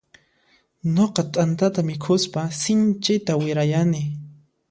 Nuqa t'antata mikhuspa sinchita wirayani.